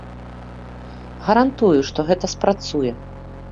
Гарантую, што гэта спрацуе.